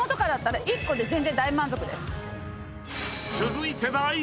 ［続いて］